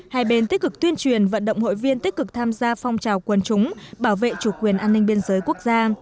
hai bên tích cực tuyên truyền vận động hội viên tích cực tham gia phong trào quân chúng bảo vệ chủ quyền an ninh biên giới quốc gia